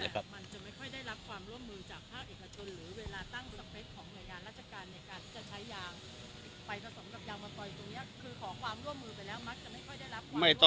ครับ